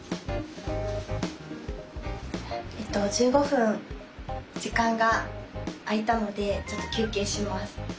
１５分時間が空いたのでちょっと休憩します。